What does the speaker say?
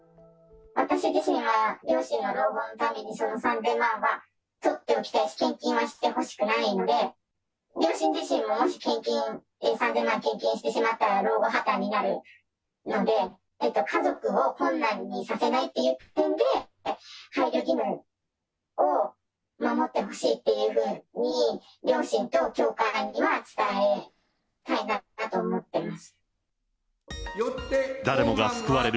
私自身は、両親の老後のためにその３０００万はとっておきたいし、献金はしてほしくないので、両親自身も、もし献金、３０００万円を献金してしまったら老後破綻になるので、家族を困難にさせないという点で、配慮義務を守ってほしいというふうに、両親と教会には伝えたいなと思ってます。